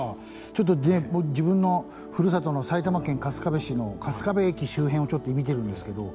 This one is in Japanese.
ちょっとね自分のふるさとの埼玉県春日部市の春日部駅周辺をちょっと見てるんですけど。